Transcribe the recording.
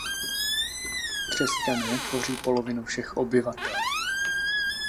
Křesťané tvoří polovinu všech obyvatel.